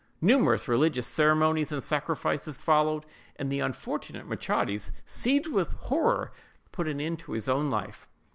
Numerous religious ceremonies and sacrifices followed, and the unfortunate Machates, seized with horror, put an end to his own life.